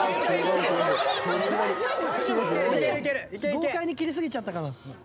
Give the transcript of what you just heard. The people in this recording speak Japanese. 豪快に切り過ぎちゃったか。